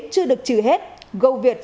chưa được trừ hết gầu việt